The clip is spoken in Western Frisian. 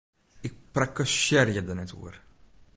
Ik prakkesearje der net oer!